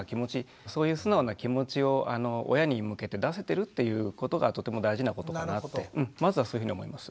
そういう素直な気持ちを親に向けて出せてるっていうことがとても大事なことかなってまずはそういうふうに思います。